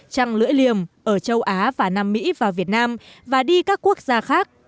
trăng lưỡi liềm ở châu á và nam mỹ vào việt nam và đi các quốc gia khác